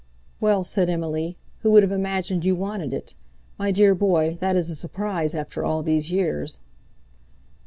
"Well," said Emily, "who would have imagined you wanted it? My dear boy, that is a surprise, after all these years."